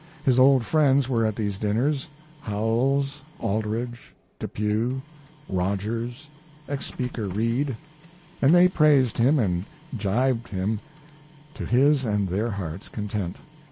His old friends were at these dinners Howells, Aldrich, Depew, Rogers, ex Speaker Reed and they praised him and gibed him to his and their hearts' content.